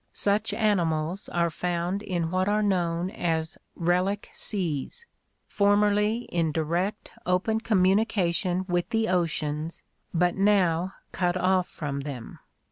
Such animals are found in what are known as relic seas, formerly in direct open communication with the oceans but now cut off from them.